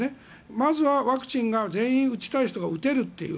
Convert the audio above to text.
まずはワクチンが全員に打ちたい人が打てるという。